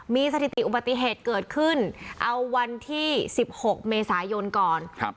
มีสถิติอุบัติเหตุเกิดขึ้นเอาวันที่๑๖เมษายนก่อนครับ